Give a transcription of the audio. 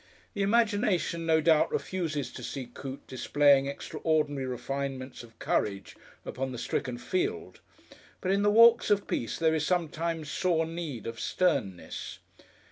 The imagination no doubt refuses to see Coote displaying extraordinary refinements of courage upon the stricken field, but in the walks of peace there is sometimes sore need of sternness.